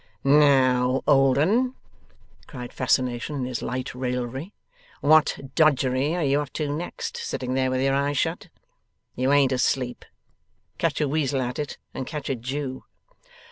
'Now, old 'un!' cried Fascination, in his light raillery, 'what dodgery are you up to next, sitting there with your eyes shut? You ain't asleep. Catch a weasel at it, and catch a Jew!